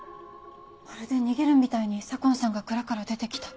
まるで逃げるみたいに左紺さんが蔵から出て来た。